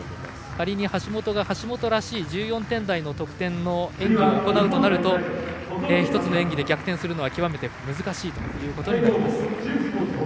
仮に橋本が橋本らしい１４点台の得点の演技を行うと１つの演技で逆転するのは極めて難しいことになります。